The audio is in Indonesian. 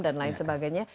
dan lain sebagainya